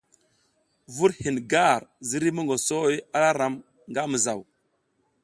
Vur hin gar ziriy mongoso a ra ram nga mizaw.